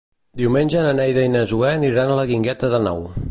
Diumenge na Neida i na Zoè aniran a la Guingueta d'Àneu.